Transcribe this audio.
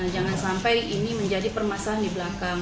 jangan sampai ini menjadi permasalahan di belakang